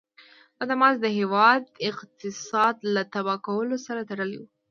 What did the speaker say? دا ماضي د هېواد اقتصاد له تباه کولو سره تړلې وه.